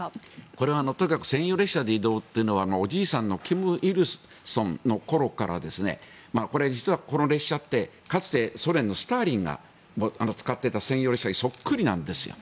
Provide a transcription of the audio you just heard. これは専用列車で移動というのはおじいさんの金日成の頃からこれは実はこの列車ってかつてソ連のスターリンが使っていた専用車にそっくりなんですよ。